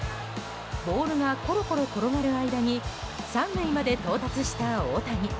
ボールがコロコロ転がる間に３塁まで到達した大谷。